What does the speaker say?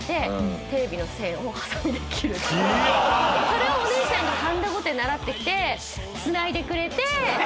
それをお姉ちゃんがはんだごて習っててつないでくれて。